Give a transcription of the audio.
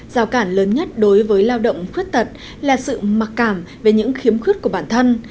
giao cản lớn nhất đối với lao động khuyết tật là sự mặc cảm về những khiếm khuyết của bản thân